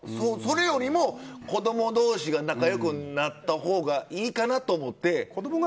それよりも子供同士が仲良くなったほうがいいかなと思って。